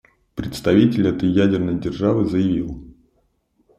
Представитель этой ядерной державы заявил: